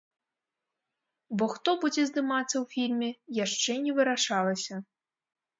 Бо хто будзе здымацца ў фільме, яшчэ не вырашалася.